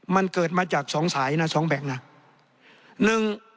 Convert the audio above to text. มันเกิดมาจากสองสายนะสองแบบน่ะหนึ่ง